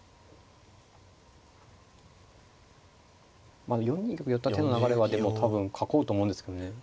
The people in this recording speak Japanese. まあ４二玉寄った手の流れはでも多分囲うと思うんですけどね。